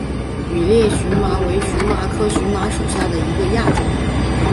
羽裂荨麻为荨麻科荨麻属下的一个亚种。